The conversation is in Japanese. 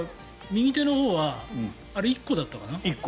右手のほうはあれ１個だったかな？